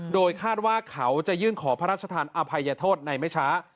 โดยคาดว่าเขาจะยื่นขอพระราชทานอภัยโทษในไม่ช้า